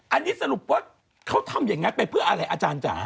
อันนี้สรุปว่าเขาทำอย่างนั้นไปเพื่ออะไรอาจารย์จ๋า